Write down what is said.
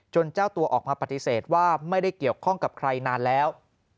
เจ้าตัวออกมาปฏิเสธว่าไม่ได้เกี่ยวข้องกับใครนานแล้ว